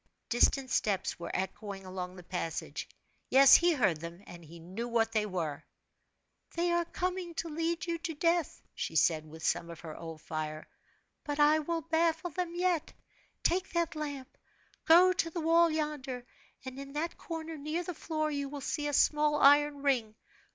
Distant steps were echoing along the passage. Yes; he heard them, and knew what they were. "They are coming to lead you to death!" she said, with some of her old fire; "but I will baffle them yet. Take that lamp go to the wall yonder, and in that corner, near the floor, you will see a small iron ring.